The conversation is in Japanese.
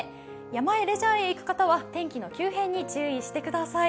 山へレジャーへ行く方は天気の急変に注意してください。